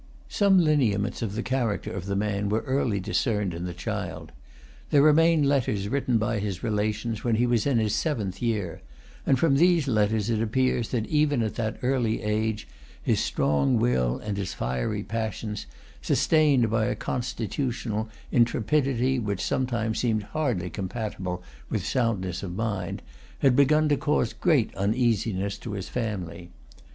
Some lineaments of the character of the man were early discerned in the child. There remain letters written by his relations when he was in his seventh year; and from these letters it appears that, even at that early age, his strong will and his fiery passions, sustained by a constitutional intrepidity which sometimes seemed hardly compatible with soundness of mind, had begun to cause great uneasiness to his family.